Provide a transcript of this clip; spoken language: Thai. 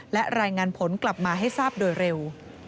และรายงานผลกลับมาให้ทราบโดยเร็ว